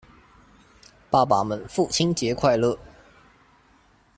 爸爸們父親節快樂！